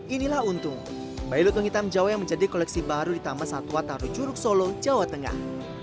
inilah untung bayi lutung hitam jawa yang menjadi koleksi baru di taman satwa taru curug solo jawa tengah